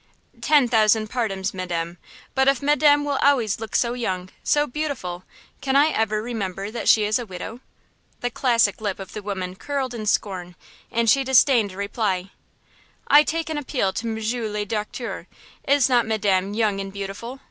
"Ten thousand pardons, madame! But if madame will always look so young, so beautiful, can I ever remember that she is a widow?" The classic lip of the woman curled in scorn, and she disdained a reply. "I take an appeal to Monsieur Le Docteur–is not madame young and beautiful?"